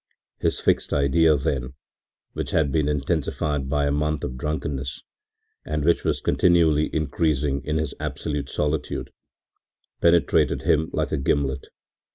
His fixed idea then, which had been intensified by a month of drunkenness, and which was continually increasing in his absolute solitude, penetrated him like a gimlet.